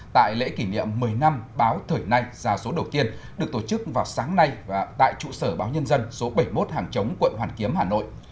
tại lễ kỷ niệm một mươi năm báo thời nay ra số đầu tiên được tổ chức vào sáng nay tại trụ sở báo nhân dân số bảy mươi một hàng chống quận hoàn kiếm hà nội